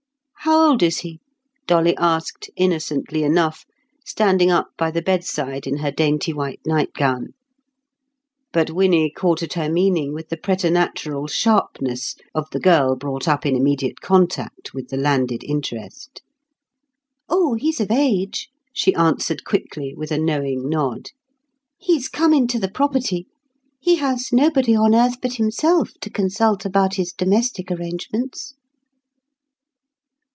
"How old is he?" Dolly asked, innocently enough, standing up by the bedside in her dainty white nightgown. But Winnie caught at her meaning with the preternatural sharpness of the girl brought up in immediate contact with the landed interest. "Oh, he's of age," she answered quickly, with a knowing nod. "He's come into the property; he has nobody on earth but himself to consult about his domestic arrangements."